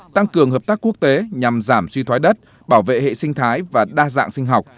tăng cường hợp tác quốc tế nhằm giảm suy thoái đất bảo vệ hệ sinh thái và đa dạng sinh học